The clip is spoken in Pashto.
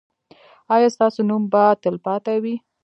ایا ستاسو نوم به تلپاتې وي؟